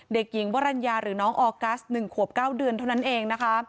เด็กหญิงวรรณยาหรือน้องออกัส๑ขวบ๙เดือนเท่านั้นเองนะคะ